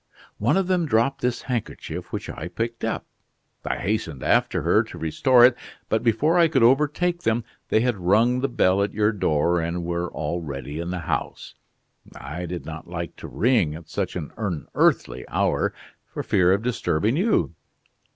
One of them dropped this handkerchief, which I picked up. I hastened after her to restore it, but before I could overtake them they had rung the bell at your door and were already in the house. I did not like to ring at such an unearthly hour for fear of disturbing you.